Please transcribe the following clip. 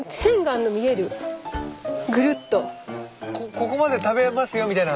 ここまで食べますよみたいな。